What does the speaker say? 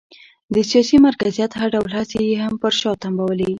د سیاسي مرکزیت هر ډول هڅې یې هم پر شا تمبولې.